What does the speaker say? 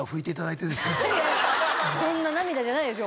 そんな涙じゃないですよ